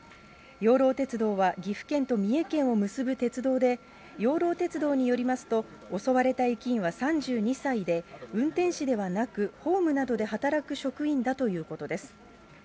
養老鉄道は岐阜県と三重県を結ぶ鉄道で、養老鉄道によりますと、襲われた駅員は３２歳で、運転士ではなく、ホームなどで働く職員だということです。